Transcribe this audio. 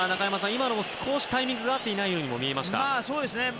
今のも少しタイミングが合っていないように見えました。